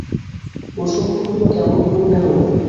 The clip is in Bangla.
কুসুম কহিল, কেমন করিয়া হইবে।